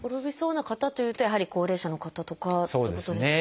転びそうな方というとやはり高齢者の方とかってことですか？